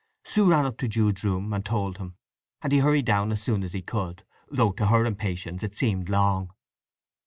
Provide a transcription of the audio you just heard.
Sue ran up to Jude's room and told him, and he hurried down as soon as he could, though to her impatience he seemed long.